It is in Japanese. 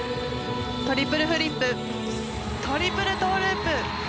トリプルフリップトリプルトウループ。